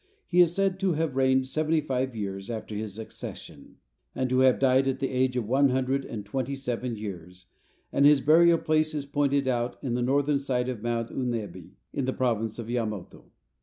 He is said to have reigned seventy five years after his accession, and to have died at the age of one hundred and twenty seven years, and his burial place is pointed out on the northern side of Mount Unebi, in the province of Yamato.